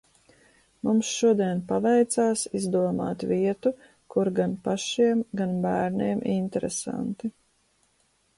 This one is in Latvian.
Mums šodien paveicās izdomāt vietu, kur gan pašiem, gan bērniem interesanti.